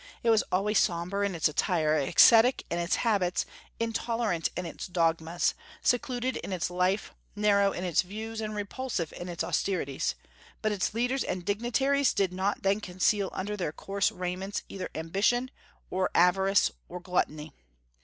It was always sombre in its attire, ascetic in its habits, intolerant in its dogmas, secluded in its life, narrow in its views, and repulsive in its austerities; but its leaders and dignitaries did not then conceal under their coarse raiments either ambition, or avarice, or gluttony.